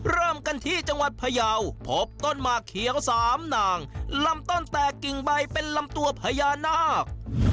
เริ่มกันที่จังหวัดพยาวพบต้นหมากเขียวสามนางลำต้นแตกกิ่งใบเป็นลำตัวพญานาค